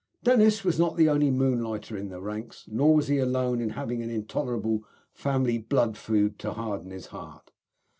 Dennis was not the only moonlighter in the ranks, nor was he alone in having an intolerable family blood feud to harden his heart.